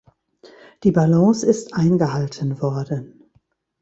Die Balance ist eingehalten worden.